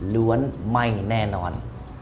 ล้วนไม่แน่นอน